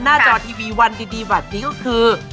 หน้าจอทีวีวันดีวันนี้ก็คือ